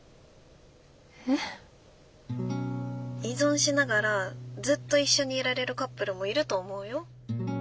依存しながらずっと一緒にいられるカップルもいると思うよ。